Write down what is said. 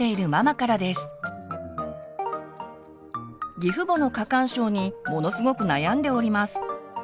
義父母の過干渉にものすごく悩んでおります。